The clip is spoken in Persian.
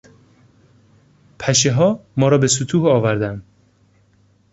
پشهها ما را به ستوه آوردند.